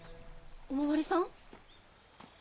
お巡りさん？